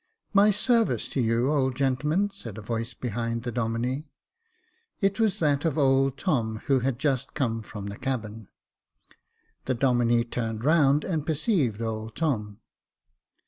" My sarvice to you, old gentleman," said a voice behind the Domine. It was that of old Tom, who had just come from the cabin. The Domine turned round and perceived old Tom.